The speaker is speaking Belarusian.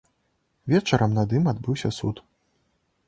Вечарам над ім адбыўся суд.